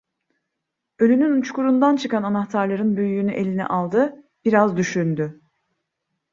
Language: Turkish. Ölünün uçkurundan çıkan anahtarların büyüğünü eline aldı, biraz düşündü…